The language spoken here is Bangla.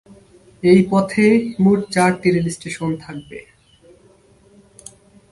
এই পথে মোট চারটি রেল স্টেশন থাকবে।